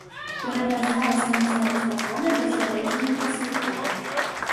Перамярзае з канца лістапада да сярэдзіны красавіка.